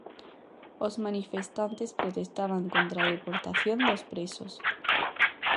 Os manifestantes protestaban contra a deportación dos presos.